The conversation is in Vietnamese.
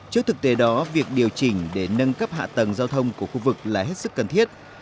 trước thực tế đó việc điều chỉnh để nâng cấp hạ tầng giao thông của khu vực là hết sức cần thiết